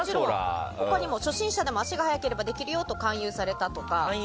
他にも初心者でも足が速ければできるよと勧誘されたとか。